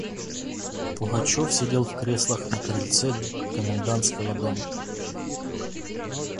Пугачев сидел в креслах на крыльце комендантского дома.